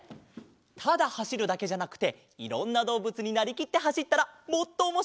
ただはしるだけじゃなくていろんなどうぶつになりきってはしったらもっとおもしろいかも！